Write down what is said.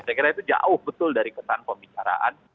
saya kira itu jauh betul dari kesan pembicaraan